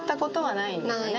ないんですよ。